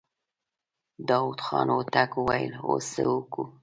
داوود خان هوتک وويل: اوس څه وکو؟